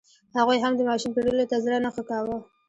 هغوی هم د ماشین پېرلو ته زړه نه ښه کاوه.